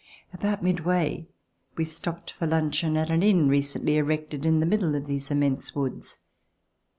About midway, we stopped for luncheon at an inn recently erected, in the middle of these inim.ense woods.